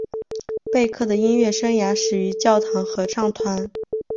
贝克的音乐生涯始于教堂合唱团。